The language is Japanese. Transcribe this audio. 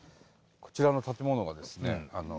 こちらの建物がですね